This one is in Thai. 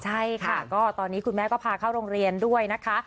ใช่ค่ะก็ตอนนี้คุณแม่ก็พาเข้าโรงเรียนด้วยนะคะ